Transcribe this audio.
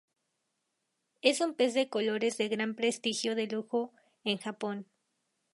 Es un pez de colores de gran prestigio de lujo en Japón.